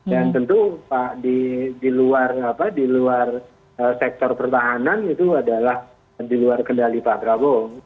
dan tentu di luar sektor pertahanan itu adalah di luar kendali pak prabowo